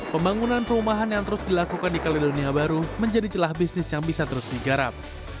pembangunan perumahan yang terus dilakukan di kaledonia baru menjadi celah bisnis yang bisa terus digarap